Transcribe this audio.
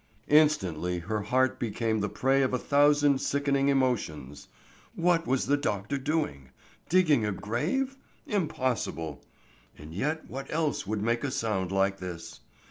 Instantly her heart became the prey of a thousand sickening emotions. What was the doctor doing? Digging a grave? Impossible. And yet what else would make a sound like this?